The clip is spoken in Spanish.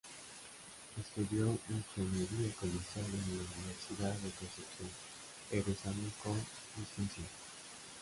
Estudio Ingeniería Comercial en la Universidad de Concepción egresando con Distinción.